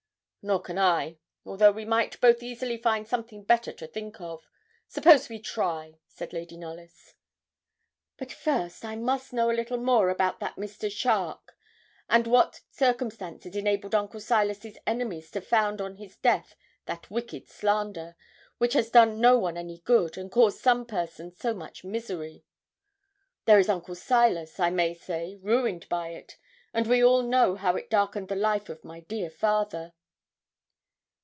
'Nor can I, although we might both easily find something better to think of. Suppose we try?' said Lady Knollys. 'But, first, I must know a little more about that Mr. Charke, and what circumstances enabled Uncle Silas's enemies to found on his death that wicked slander, which has done no one any good, and caused some persons so much misery. There is Uncle Silas, I may say, ruined by it; and we all know how it darkened the life of my dear father.'